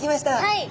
はい！